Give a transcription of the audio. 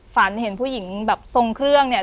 ฝันเห็นผู้หญิงแบบทรงเครื่องเนี่ย